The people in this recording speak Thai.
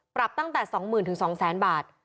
ปรับตั้งแต่๒๐๐๐๒๐๐๐บาท